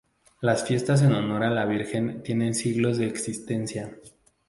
Las fiestas en honor a la Virgen tienen siglos de existencia.